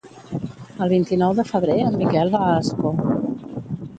El vint-i-nou de febrer en Miquel va a Ascó.